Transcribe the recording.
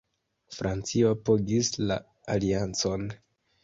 Francio apogis la aliancon.